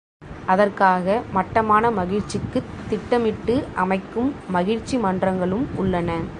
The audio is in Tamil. அதற்காக மட்டமான மகிழ்ச்சிக்குத் திட்டமிட்டு அமைக்கும் மகிழ்ச்சி மன்றங்களும் உள்ளன.